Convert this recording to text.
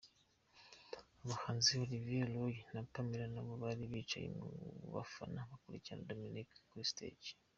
Abahanzi Olivier Roy na Pamela nabo bari bicaye mu bafana bakurikirana Dominic kuri stage.